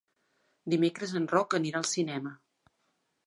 Dimecres en Roc anirà al cinema.